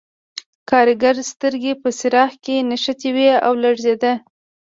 د کارګر سترګې په څراغ کې نښتې وې او لړزېده